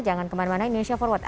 jangan kemana mana indonesia forward